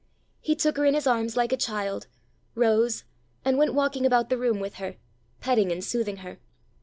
He took her in his arms like a child, rose, and went walking about the room with her, petting and soothing her.